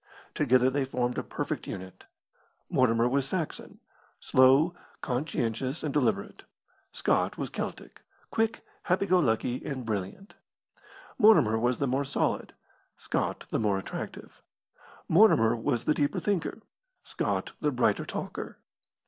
Together they formed a perfect unit. Mortimer was Saxon slow, conscientious, and deliberate; Scott was Celtic quick, happy go lucky, and brilliant. Mortimer was the more solid, Scott the more attractive. Mortimer was the deeper thinker, Scott the brighter talker.